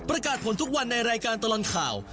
ประกาศผลทุกวันในรายการตลอดข่าว